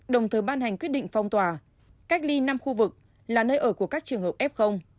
đồng thời ban hành quyết định phong tỏa cách ly năm khu vực là nơi ở của các trường hợp f